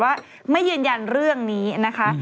ว่าไม่ยืนยันเรื่องนี้นะคะ